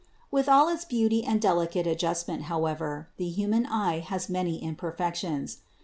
With all its beauty and delicate adjustment, however, the human eye has many imperfections.